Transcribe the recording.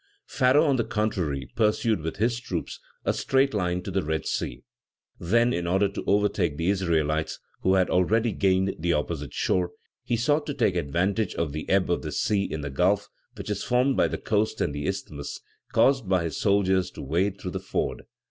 Pharaoh, on the contrary, pursued, with his troops, a straight line to the Red Sea; then, in order to overtake the Israelites, who had already gained the opposite shore, he sought to take advantage of the ebb of the sea in the Gulf, which is formed by the coast and the Isthmus, and caused his soldiers to wade through the ford.